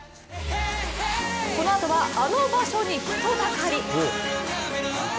このあとは、あの場所に人だかり。